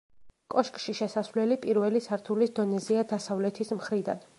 კოშკში შესასვლელი პირველი სართულის დონეზეა დასავლეთის მხრიდან.